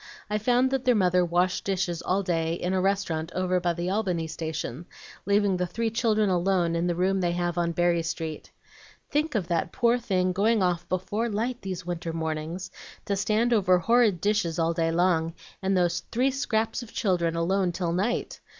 I found that their mother washed dishes all day in a restaurant over by the Albany Station, leaving the three children alone in the room they have on Berry Street. Think of that poor thing going off before light these winter mornings to stand over horrid dishes all day long, and those three scraps of children alone till night!